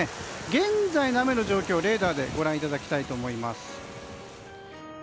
現在の雨の状況をレーダーでご覧いただきたいと思います。